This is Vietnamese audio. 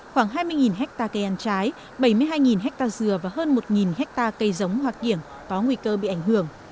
khoảng hai mươi hectare cây ăn trái bảy mươi hai ha dừa và hơn một hectare cây giống hoặc điểm có nguy cơ bị ảnh hưởng